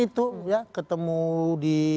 itu ya ketemu di